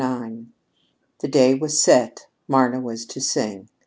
IX The day was set. Marna was to sing.